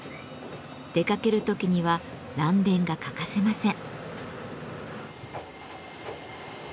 出かける時には嵐電が欠かせません。